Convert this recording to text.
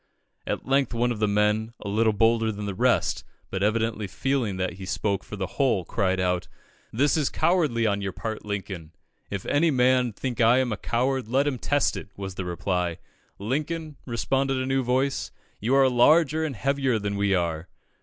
At length one of the men, a little bolder than the rest, but evidently feeling that he spoke for the whole, cried out "This is cowardly on your part, Lincoln!" "If any man think I am a coward, let him test it," was the reply. "Lincoln," responded a new voice, "you are larger and heavier than we are."